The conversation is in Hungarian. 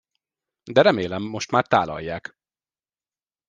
De remélem, most már tálalják.